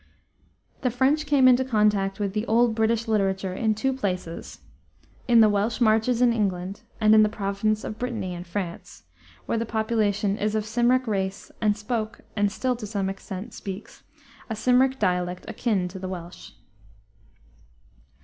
The French came into contact with the old British literature in two places: in the Welsh marches in England and in the province of Brittany in France, where the population is of Cymric race and spoke, and still to some extent speaks, a Cymric dialect akin to the Welsh.